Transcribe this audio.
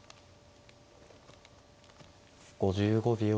５５秒。